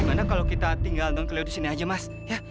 gimana kalau kita tinggal non kelio di sini aja mas